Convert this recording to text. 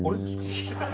違う！